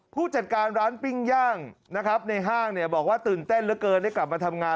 ผู้จัดการร้านปิ้งย่างนะครับในห้างเนี่ยบอกว่าตื่นเต้นเหลือเกินได้กลับมาทำงาน